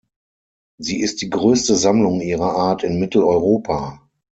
Sie ist die größte Sammlung ihrer Art in Mitteleuropa.